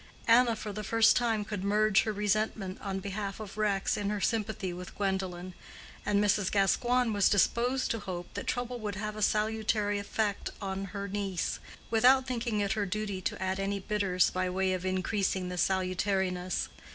Anna for the first time could merge her resentment on behalf of Rex in her sympathy with Gwendolen; and Mrs. Gascoigne was disposed to hope that trouble would have a salutary effect on her niece, without thinking it her duty to add any bitters by way of increasing the salutariness.